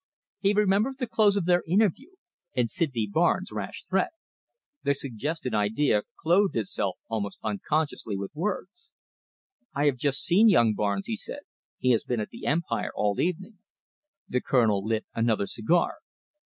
He remembered the close of their interview, and Sydney Barnes' rash threat. The suggested idea clothed itself almost unconsciously with words. "I have just seen young Barnes," he said. "He has been at the Empire all the evening." The Colonel lit another cigar.